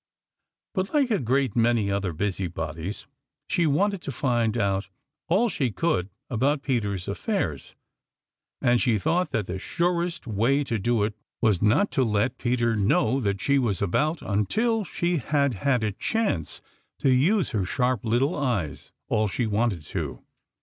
But like a great many other busybodies, she wanted to find out all she could about Peter's affairs, and she thought that the surest way to do it was not to let Peter know that she was about until she had had a chance to use her sharp little eyes all she wanted to.